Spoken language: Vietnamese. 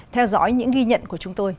theo dõi những ghi nhận của chúng tôi